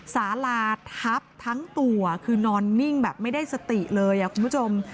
สาลาทับทั้งตัวคือนอนนิ่งแบบไม่ได้สติเลยคุณผู้ชม